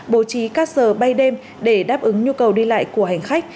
bố trí các giờ bay đêm để đáp ứng nhu cầu đi lại của hành khách